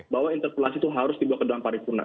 bahwa interpelasi itu harus dibawa ke dalam paripurna